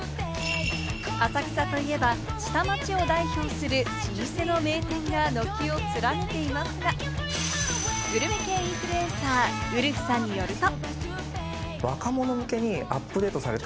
浅草といえば下町を代表する老舗の名店が軒を連ねていますが、グルメ系インフルエンサー、ウルフさんによると。